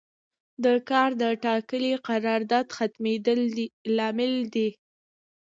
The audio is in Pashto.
د کار د ټاکلي قرارداد ختمیدل لامل دی.